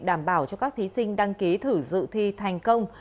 đảm bảo cho các thí sinh đăng ký thử dự thi thành công